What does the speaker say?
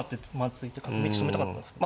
突いて角道止めたかったんですけど。